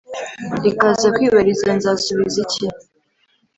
ikaza kwibariza; nzasubiza iki